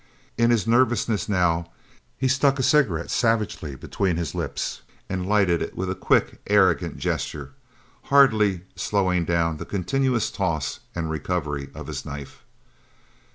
In his nervousness, now, he stuck a cigarette savagely between his lips, and lighted it with a quick, arrogant gesture, hardly slowing down the continuous toss and recovery of his knife.